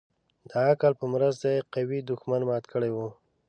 د عقل په مرسته يې قوي دښمن مات كړى و.